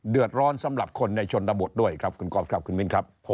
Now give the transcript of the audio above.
เดือดร้อนสำหรับคนในชนบทด้วยครับคุณก๊อฟครับคุณมิ้นครับ